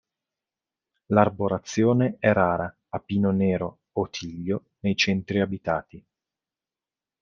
L'arborazione è rara, a pino nero o tiglio nei centri abitati.